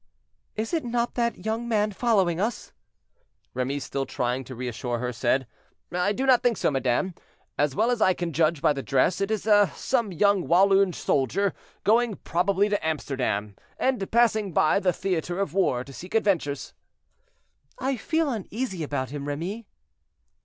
"Is it not that young man following us?" Remy, still trying to reassure her, said, "I do not think so, madame. As well as I can judge by the dress, it is some young Walloon soldier going probably to Amsterdam, and passing by the theater of war to seek adventures." "I feel uneasy about him, Remy."